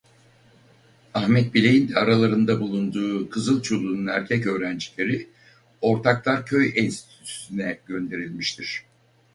Ahmet Bilek'in de aralarında bulunduğu Kızılçullunun erkek öğrencileri Ortaklar Köy Enstitüsü'ne gönderilmiştir.